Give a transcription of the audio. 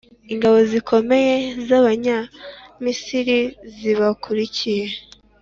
ingabo zikomeye z’abanyamisiri zibakurikiye;